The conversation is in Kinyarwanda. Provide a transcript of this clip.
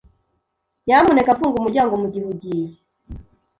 Nyamuneka funga umuryango mugihe ugiye.